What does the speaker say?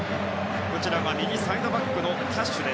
右サイドバックのキャッシュ。